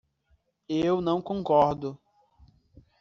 Eu não concordo.